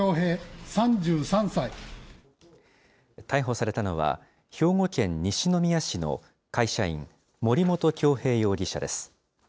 逮捕されたのは、兵庫県西宮市の会社員、森本恭平容疑者です。